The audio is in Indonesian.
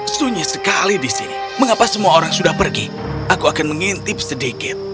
sunyi sekali di sini mengapa semua orang sudah pergi aku akan mengintip sedikit